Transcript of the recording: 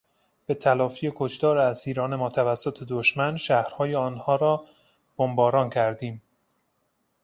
به تلافی کشتار اسیران ما توسط دشمن، شهرهای آنها را بمباران کردیم.